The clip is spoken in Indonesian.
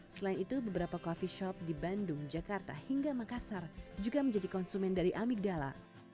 selain itu beberapa coffee shop di bandung jakarta hingga makassar juga menjadi konsumen dari amigdala